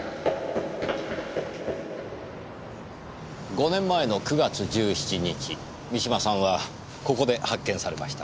５年前の９月１７日三島さんはここで発見されました。